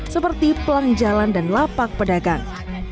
seperti pelang jalan dan lapak pedagang